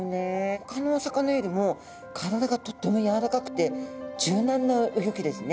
ほかのお魚よりも体がとっても柔らかくて柔軟なうギョきですね。